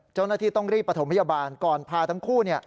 เจ้าหน้าที่ต้องรีบประถมพยาบาลก่อนพาทั้งคู่